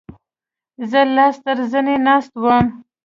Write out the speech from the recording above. زه لاس تر زنې ناست وم.